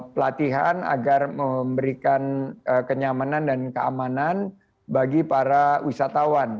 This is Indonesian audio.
pelatihan agar memberikan kenyamanan dan keamanan bagi para wisatawan